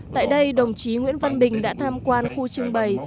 tại đây đồng chí nguyễn văn bình đã tham quan khu trưng bày